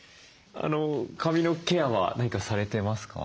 髪のケアは何かされてますか？